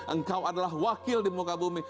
engkau adalah wakil di muka bumi